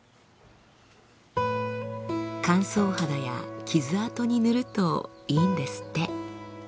乾燥肌や傷痕に塗るといいんですって。